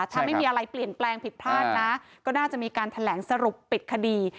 ถ้าไม่มีอะไรเปลี่ยนแปลงผิดพลาดนะก็น่าจะมีการแถลงสรุปปิดคดี